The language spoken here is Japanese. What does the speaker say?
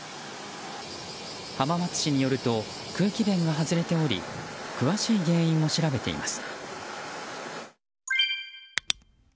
浜松市によると空気弁が外れており詳しい原因を調べています。